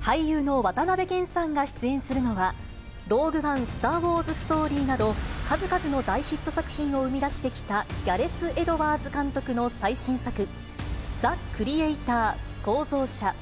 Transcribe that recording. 俳優の渡辺謙さんが出演するのは、ローグ・ワン／スター・ウォーズ・ストーリーなど数々の大ヒット作品を生み出してきたギャレス・エドワーズ監督の最新作、ザ・クリエイター／創造者。